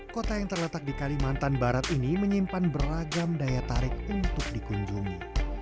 kota yang terletak di kalimantan barat ini menyimpan beragam daya tarik untuk dikunjungi